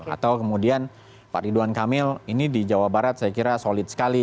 atau kemudian pak ridwan kamil ini di jawa barat saya kira solid sekali